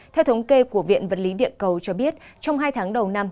theo thống kê của viện vật lý địa cầu cho biết trong hai tháng đầu năm